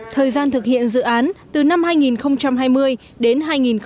thời gian thực hiện dự án từ năm hai nghìn hai mươi đến hai nghìn hai mươi một